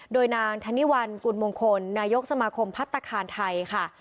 โดยนางธนิวัลกุลมงคลนายกสมาคมพัฒนาคารไทยค่ะ